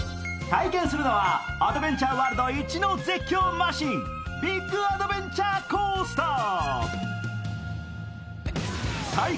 体験するのはアドベンチャーワールドいちの絶叫マシン、ビッグアドベンチャーコースター。